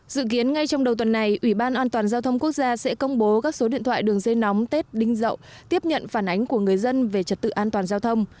dự kiến ngay trong đầu tuần này ủy ban an toàn giao thông quốc gia sẽ công bố các số điện thoại đường dây nóng tết đinh dậu tiếp nhận phản ánh của người dân về trật tự an toàn giao thông